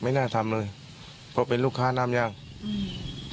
ไม่น่าทำเลยเพราะเป็นลูกค้าน้ำยางอืม